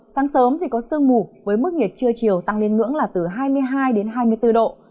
sáng sớm thì có sương mù với mức nhiệt trưa chiều tăng lên ngưỡng là từ hai mươi hai đến hai mươi bốn độ